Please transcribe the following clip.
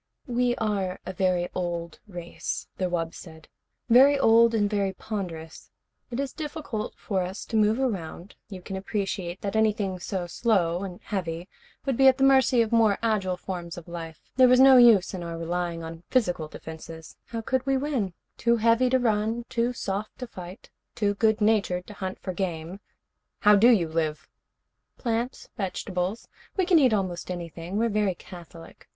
"We are a very old race," the wub said. "Very old and very ponderous. It is difficult for us to move around. You can appreciate that anything so slow and heavy would be at the mercy of more agile forms of life. There was no use in our relying on physical defenses. How could we win? Too heavy to run, too soft to fight, too good natured to hunt for game " "How do you live?" "Plants. Vegetables. We can eat almost anything. We're very catholic.